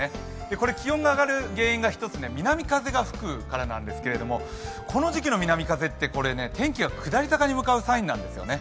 これ、気温が上がる原因が一つ、南風が吹くからなんですけれども、この時期の南風って天気が下り坂に向かうサインなんですね。